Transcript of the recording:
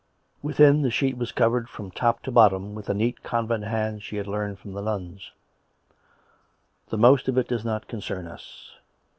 Within, the sheet was covered from top to bottom with the neat convent hand she had learnt from the nuns. The most of it does not concern us.